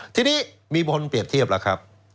ทีนี้มีคนเปรียบเทียบแล้วครับ